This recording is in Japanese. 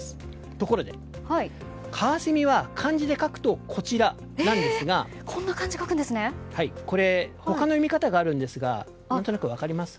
ところで、カワセミは漢字で書くとこちらなんですがこれ、他の読み方があるんですが分かります？